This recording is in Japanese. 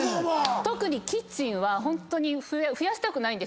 特にキッチンはホントに増やしたくないんですよ。